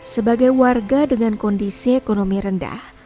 sebagai warga dengan kondisi ekonomi rendah